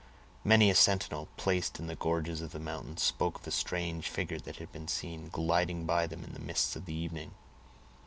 Many a sentinel, placed in the gorges of the mountains, spoke of a strange figure that had been seen gliding by them in the mists of the evening.